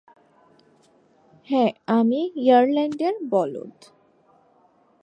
হ্যা, আমি ইরেল্যান্ডের, বলদ।